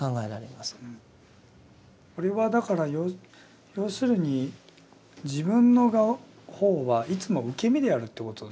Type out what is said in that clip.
これはだから要するに自分の方はいつも受け身であるってことなんですね。